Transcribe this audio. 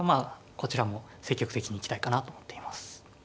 こちらも積極的に行きたいかなと思っています。